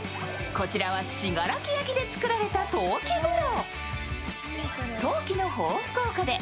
こちらは信楽焼で作られた陶器風呂。